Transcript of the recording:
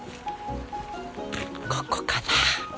ここかな。